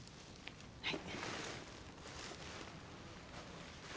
はい。